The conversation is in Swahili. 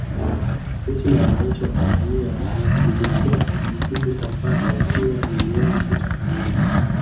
Jeshi la Wananchi wa Tanzania liliingia jijini Kampala ikiwa ni miezi sita kamili